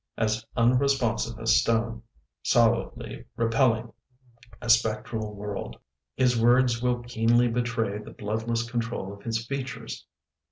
As unresponsive as stone Solidly repelling a spectral world, His words will keenly betray The bloodless control of his features.